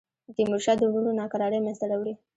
د تیمورشاه د وروڼو ناکراری منځته راوړي.